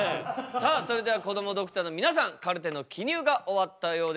さあそれではこどもドクターの皆さんカルテの記入が終わったようです。